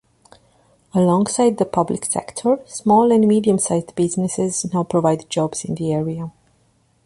Alongside the public sector, small and medium-sized businesses now provide jobs in the area.